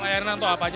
layanan atau apanya